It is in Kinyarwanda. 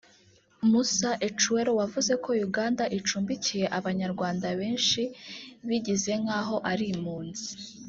Musa Ecweru wavuze ko Uganda icumbikiye Abanyarwanda benshi bigize nk’aho ari impunzi